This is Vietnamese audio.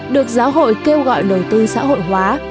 được giáo hội kêu gọi đầu tư xã hội hóa